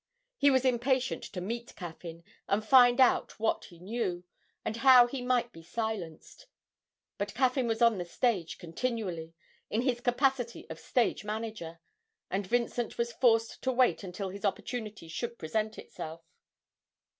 He was impatient to meet Caffyn and find out what he knew, and how he might be silenced; but Caffyn was on the stage continually, in his capacity of stage manager, and Vincent was forced to wait until his opportunity should present itself.